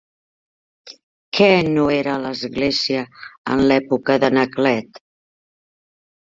Què no era l'església en l'època d'Anaclet?